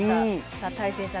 さあ大聖さん